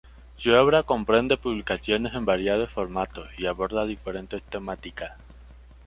Su obra comprende publicaciones en variados formatos y aborda diferentes temáticas.